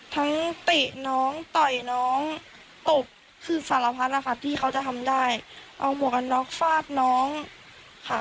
เตะน้องต่อยน้องตบคือสารพัดนะคะที่เขาจะทำได้เอาหมวกกันน็อกฟาดน้องค่ะ